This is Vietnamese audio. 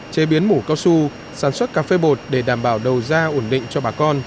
chế biến mủ cao su sản xuất cà phê bột để đảm bảo đầu ra ổn định cho bà con